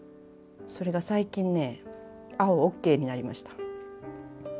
それが最近ね青ＯＫになりました。